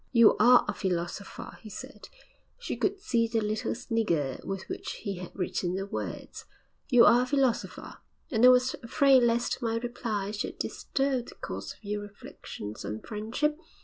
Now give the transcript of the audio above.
'You are a philosopher,' he said she could see the little snigger with which he had written the words '_You are a philosopher, and I was afraid lest my reply should disturb the course of your reflections on friendship.